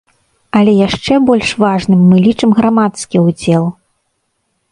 Але яшчэ больш важным мы лічым грамадскі ўдзел.